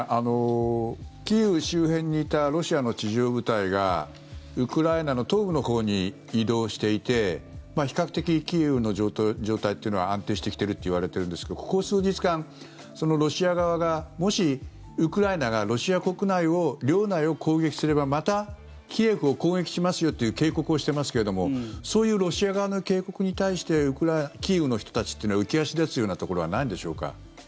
キーウ周辺にいたロシアの地上部隊がウクライナの東部のほうに移動していて比較的キーウの状態というのは安定してきているといわれていますがここ数日間、ロシア側がもし、ウクライナがロシア国内を、領内を攻撃すればまたキーウを攻撃しますよという警告をしていますがそういうロシア側の警告に対してキーウの人たちというのは浮足立つようなところはないんでしょうか。